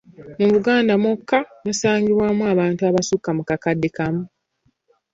Mu Buganda mwokka, musangibwaamu abantu abasukka mu kakadde kamu.